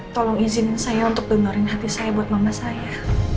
tolong izin saya untuk dengerin hati saya buat mama saya